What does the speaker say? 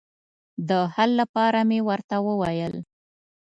د حل لپاره مې ورته وویل.